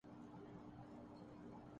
جس قسم کی سوچ ن لیگ کی ہے۔